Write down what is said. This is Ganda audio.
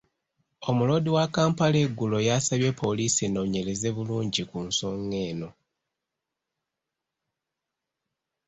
Omuloodi wa Kampala eggulo yasabye poliisi enoonyereze bulungi ku nsonga eno.